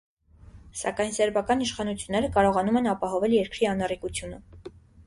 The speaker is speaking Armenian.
Սակայն սերբական իշխանությունները կարողանում են ապահովել երկրի անառիկությունը։